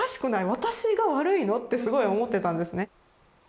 私が悪いの？」ってすごい思ってたんですね。